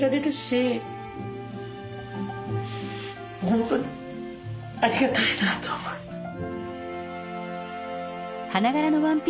本当にありがたいなと思います。